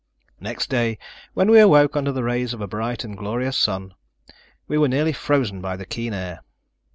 Next day, when we awoke under the rays of a bright and glorious sun, we were nearly frozen by the keen air.